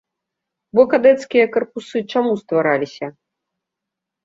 Бо кадэцкія карпусы чаму ствараліся?